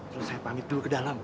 terus saya pamit dulu ke dalam